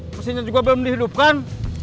pesinya juga belum dihidupkan